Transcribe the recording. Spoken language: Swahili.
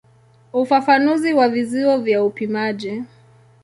Ufafanuzi wa vizio vya upimaji.